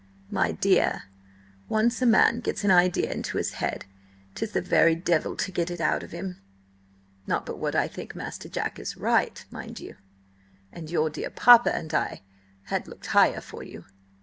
"My dear, once a man gets an idea into his head, 'tis the very devil to get it out of him! Not but what I think Master Jack is right, mind you. And your dear papa and I had looked higher for you.